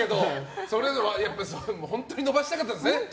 本当に伸ばしたかったんですね。